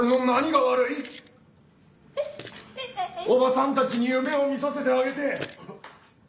おばさんたちに夢を見させてあげて。